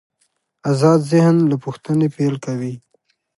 آزاد ذهن له پوښتنې پیل کوي.